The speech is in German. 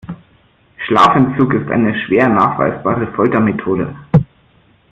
Schlafentzug ist eine schwer nachweisbare Foltermethode.